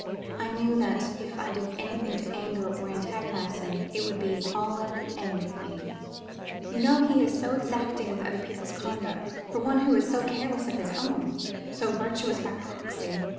I knew that if I did anything to anger or to antagonize him, it would be all at an end with me. You know he is so exacting with other people's conduct, for one who is so careless of his own so virtuous by proxy.